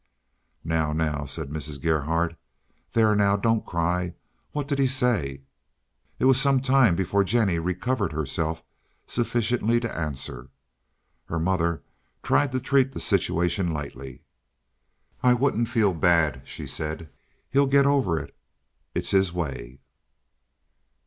"Now, now," said Mrs. Gerhardt. "There now, don't cry. What did he say?" It was some time before Jennie recovered herself sufficiently to answer. Her mother tried to treat the situation lightly. "I wouldn't feel bad," she said. "He'll get over it. It's his way."